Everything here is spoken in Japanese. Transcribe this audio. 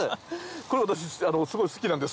これ私すごい好きなんです。